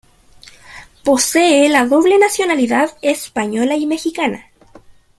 Posee la doble nacionalidad Española y Mexicana.